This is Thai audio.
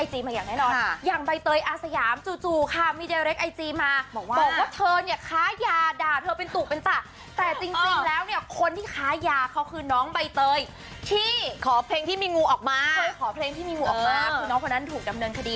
ขอเพลงที่มีงูออกมาคือน้องพวกนั้นถูกดำเนินคดี